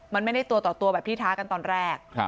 มันไม่ได้ตัวต่อตัวแบบที่ท้ากันตอนแรก